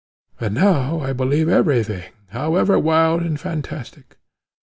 But now I believe every thing, however wild and fantastic.